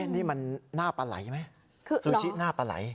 นี่มันหน้าปลาไหลไหมซูชิหน้าปลาไหล